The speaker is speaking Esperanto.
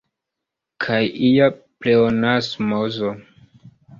Kaj ia pleonasmozo.